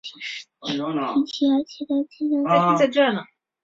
黎曼曲面条目中有更多关于那个意义下的芽的细节。